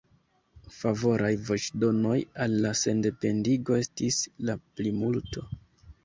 Favoraj voĉdonoj al la sendependigo estis la plimulto.